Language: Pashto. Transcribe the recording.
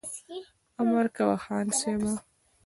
امر کوه خان صاحبه !